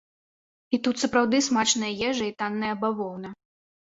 І тут сапраўды смачная ежа і танная бавоўна.